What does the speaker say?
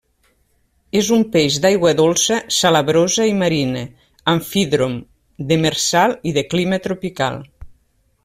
És un peix d'aigua dolça, salabrosa i marina; amfídrom; demersal i de clima tropical.